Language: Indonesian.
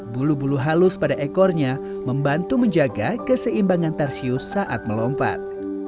bulu bulu halus pada ekornya membantu menjaga keseimbangan tarsius saat melompat